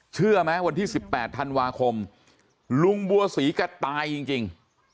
เชื่อไหมวันที่สิบแปดธันวาคมลุงบัวสีก็ตายจริงจริง